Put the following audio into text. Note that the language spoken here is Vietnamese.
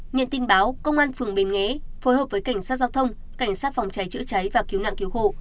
nhận tin báo công an phường bến nghé phối hợp với cảnh sát giao thông cảnh sát phòng cháy chữa cháy và cứu nạn cứu hộ